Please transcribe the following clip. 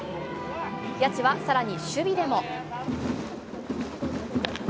谷内はさらに守備でも。